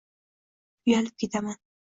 Uyalib ketaman